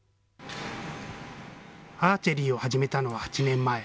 アーチェリーを始めたのは８年前。